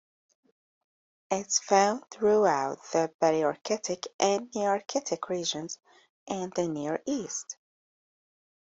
It is found throughout the Palearctic and Nearctic regions and the Near East.